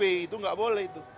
itu nggak boleh